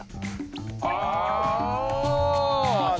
ああ。